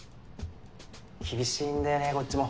・厳しいんだよねこっちも。